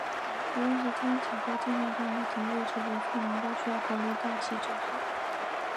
无论是天体或地面上物体位置的测量都需要考虑大气折射。